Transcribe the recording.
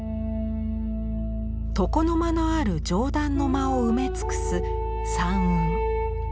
床の間のある上段の間を埋め尽くす「山雲」。